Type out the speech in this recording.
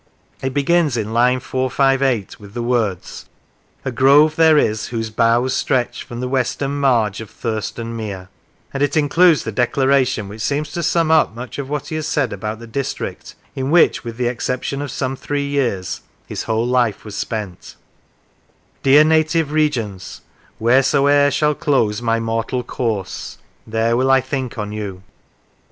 It begins in line 458 with the words :" A grove there is whose boughs stretch from the western marge of Thurstan mere," and it includes the declaration which seems to sum up much of what he has said about the district in which, with the ex ception of some three years, his whole life was spent: Dear native Regions, whereso'er shall close My mortal course, there will I think on you.